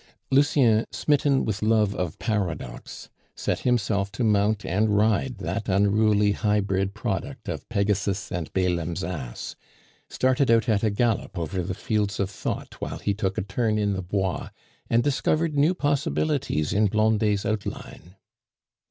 Lucien, smitten with love of Paradox, set himself to mount and ride that unruly hybrid product of Pegasus and Balaam's ass; started out at a gallop over the fields of thought while he took a turn in the Bois, and discovered new possibilities in Blondet's outline.